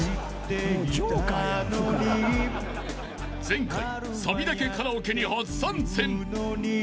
［前回サビだけカラオケに初参戦］